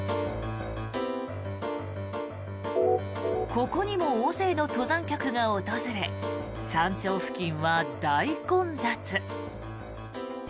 ここにも大勢の登山客が訪れ山頂付近は大混雑。